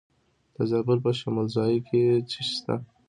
د زابل په شمولزای کې څه شی شته؟